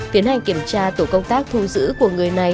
tiến hành kiểm tra tổ công tác thu giữ của người này